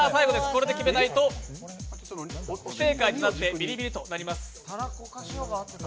これで決めないと不正解となってビリビリとなります。